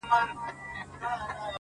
o کيسې د پروني ماښام د جنگ در اچوم ـ